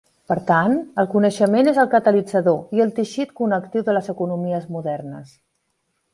Per tant, el coneixement és el catalitzador i el teixit connectiu de les economies modernes.